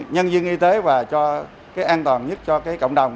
nhân viên y tế và cho cái an toàn nhất cho cái cộng đồng